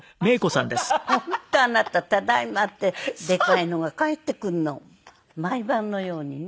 本当あなた「ただいま」ってでかいのが帰ってくるの毎晩のようにね。